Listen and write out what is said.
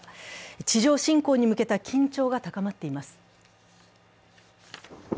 地上侵攻に向けた緊張が高まっています。